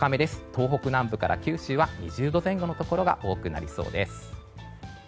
東北南部から九州は２０度前後のところが多くなりそうです。